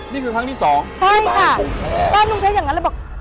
นี่คือครั้งที่สองใช่ค่ะบ้านกรุงเทพบ้านกรุงเทพอย่างนั้นแล้วบอก